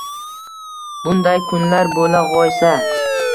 Bunday kunlar bo‘lag‘oysa